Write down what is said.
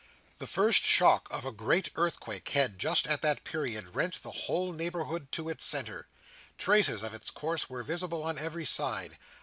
The first shock of a great earthquake had, just at that period, rent the whole neighbourhood to its centre. Traces of its course were visible on every side.